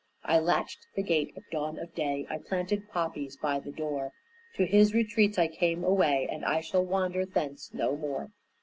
I latched the gate at dawn of day, I planted poppies by the door, To His retreats I came away And I shall wander thence no more.